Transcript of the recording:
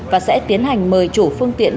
và sẽ tiến hành mời chủ phương tiện